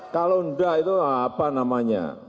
kalau enggak itu apa namanya